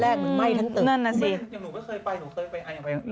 อย่างหนูก็เคยไป